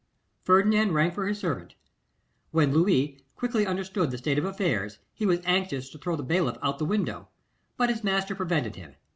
Ferdinand rang for his servant. When Louis clearly understood the state of affairs, he was anxious to throw the bailiff out of the window, but his master prevented him.